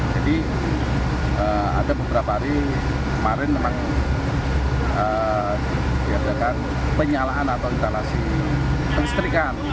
jadi ada beberapa hari kemarin memang diadakan penyalaan atau instalasi pengestrikan